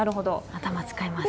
頭使いますね。